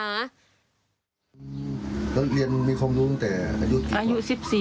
เรียนมีความรู้ตั้งแต่อายุกี่ปี